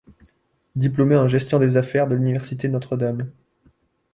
Diplômé en gestion des affaires de l'université Notre Dame.